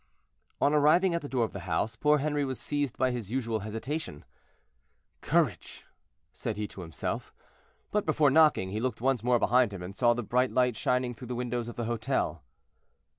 On arriving at the door of the house, poor Henri was seized by his usual hesitation. "Courage!" said he to himself. But before knocking, he looked once more behind him, and saw the bright light shining through the windows of the hotel.